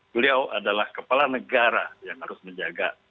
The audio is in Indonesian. beliau adalah kepala negara yang harus menjaga